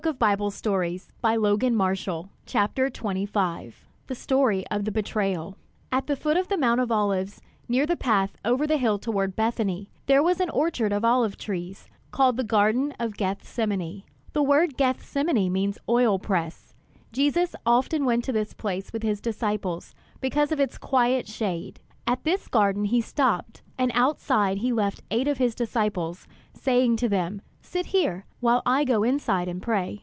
[Illustration: The great city was deaf to his pleadings] THE STORY OF THE BETRAYAL At the foot of the Mount of Olives, near the path over the hill toward Bethany, there was an orchard of olive trees, called "The Garden of Gethsemane." The word "Gethsemane" means "oil press." Jesus often went to this place with his disciples, because of its quiet shade. At this garden he stopped, and outside he left eight of his disciples, saying to them, "Sit here while I go inside and pray."